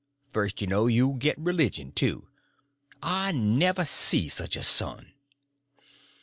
First you know you'll get religion, too. I never see such a son."